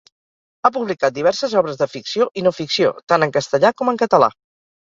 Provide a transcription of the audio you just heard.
Ha publicat diverses obres de ficció i no ficció, tant en castellà com en català.